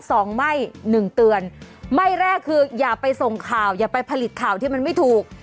สองไม่หนึ่งเตือนไม่แรกคืออย่าไปส่งข่าวอย่าไปผลิตข่าวที่มันไม่ถูก